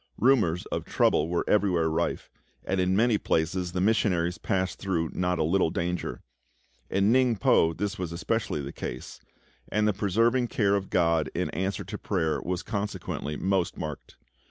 Rumours of trouble were everywhere rife, and in many places the missionaries passed through not a little danger. In Ningpo this was especially the case, and the preserving care of GOD in answer to prayer was consequently most marked.